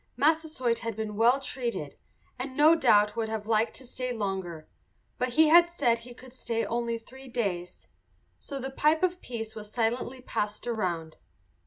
Massasoit had been well treated, and no doubt would have liked to stay longer, but he had said he could stay only three days. So the pipe of peace was silently passed around.